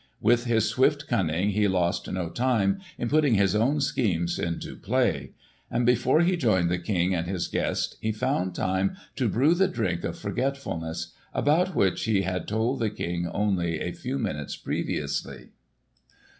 With his swift cunning he lost no time in putting his own schemes into play; and before he joined the King and his guest he found time to brew the drink of forgetfulness, about which he had told the King only a few minutes previously.